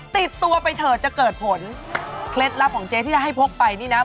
ติดตัวไปเถอะจะเกิดผลเคล็ดลับของเจ๊ที่จะให้พกไปนี่นะ